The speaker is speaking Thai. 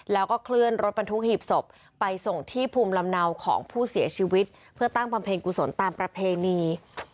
แล้วก็เคลื่อนรถบรรทุกหีบศพไปส่งที่ภูมิลำเนาของผู้เสียชีวิตเพื่อตั้งบำเพ็ญกุศลตามประเพณี